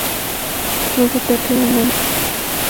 Bogotá queda en buenas manos.